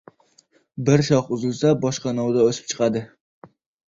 • Bir shox uzilsa, boshqa novda o‘sib chiqadi.